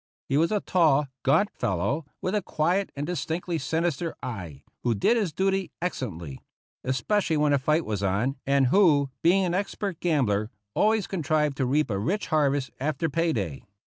He was a tall, gaunt fellow, with a quiet and distinctly sinister eye, who did his duty excellently, especially when a fight was on, and who, being an expert gambler, always contrived to reap a rich harvest after pay day.